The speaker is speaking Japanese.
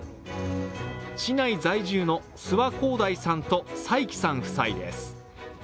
市内在住の諏訪晃大さんと彩希さん夫妻です。